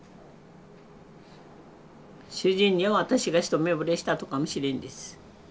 主人には私が一目ぼれしたとかもしれんです。